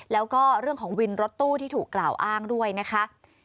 แล้วก็เรื่องของวินรถตู้ที่ถูกกล่าวอ้างด้วยนะคะ